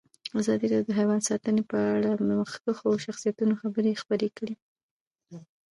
ازادي راډیو د حیوان ساتنه په اړه د مخکښو شخصیتونو خبرې خپرې کړي.